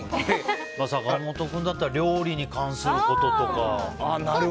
坂本君だったら料理に関することとか。